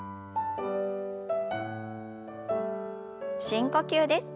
深呼吸です。